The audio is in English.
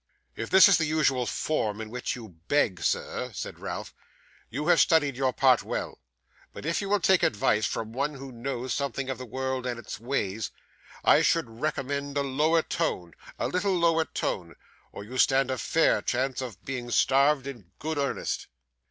'If this is the usual form in which you beg, sir,' said Ralph, 'you have studied your part well; but if you will take advice from one who knows something of the world and its ways, I should recommend a lower tone; a little lower tone, or you stand a fair chance of being starved in good earnest.